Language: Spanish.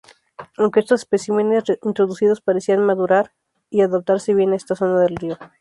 Aunque estos especímenes reintroducidos parecían madurar y adaptarse bien a esta zona del río.